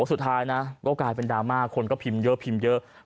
สุดท้ายก็กลายเป็นดราม่าคนก็พิมพ์เยอะ